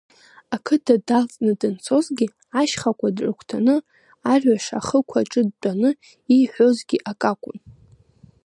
Ақыҭа далҵны данцозгьы, ашьхақәа рыгәҭаны, арҩаш ахықә аҿы дтәаны ииҳәозгьы акакәын.